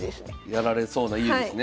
やられそうな家ですね。